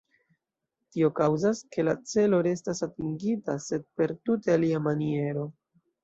Tio kaŭzas, ke la celo restas atingita, sed per tute alia maniero.